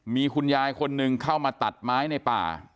มีคุณยายคนหนึ่งเข้ามาตัดไม้ในป่า